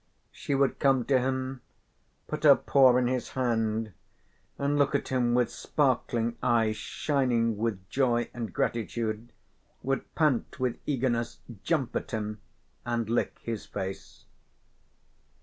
She would come to him, put her paw in his hand and look at him with sparkling eyes shining with joy and gratitude, would pant with eagerness, jump at him and lick his face.